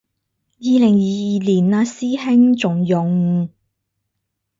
二零二二年嘞師兄，仲用